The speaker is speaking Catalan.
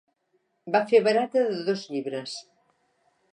Va fer barata de dos llibres.